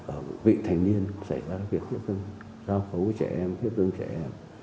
ở vị thành niên xảy ra việc hiếp dâm giao phấu trẻ em hiếp dâm trẻ em